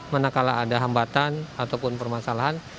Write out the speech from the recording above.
mana kala ada hambatan ataupun permasalahan